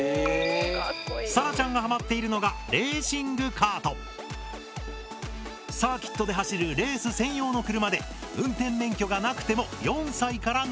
さらちゃんがハマっているのがサーキットで走るレース専用の車で運転免許がなくても４歳から乗れる。